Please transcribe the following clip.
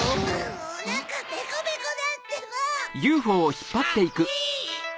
おなかペコペコだってば！ハヒ！